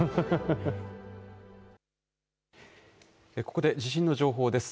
ここで地震の情報です。